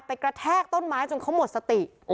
กระแทกต้นไม้จนเขาหมดสติ